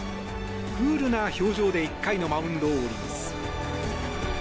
クールな表情で１回のマウンドを降ります。